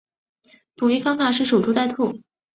捕鱼方法是守株待兔。